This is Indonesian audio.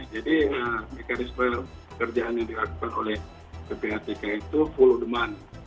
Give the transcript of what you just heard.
mekanisme pekerjaan yang dilakukan oleh ppatk itu full demand